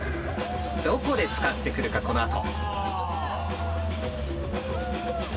どこで使ってくるかこのあと。